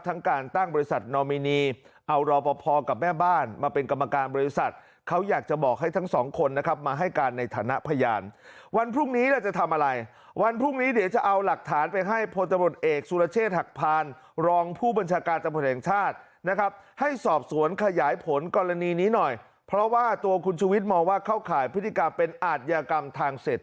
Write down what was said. ทั้งการตั้งบริษัทโนมีนีเอารอเพราะพอกับแม่บ้านมาเป็นกรรมการบริษัท